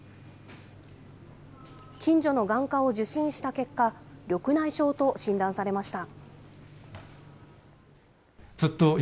近所の眼科を受診した結果、緑内障と診断されました。